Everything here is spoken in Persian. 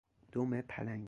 دم پلنگ